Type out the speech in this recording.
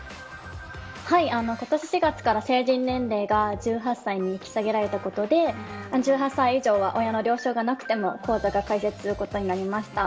はい、今年４月から成人年齢が１８歳に引き下げられたことで１８歳以上は親の了承がなくても口座を開設できることになりました。